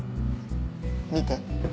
見て。